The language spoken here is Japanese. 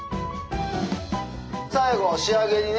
最後仕上げにね。